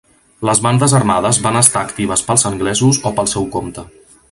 Les bandes armades van estar actives pels anglesos o pel seu compte.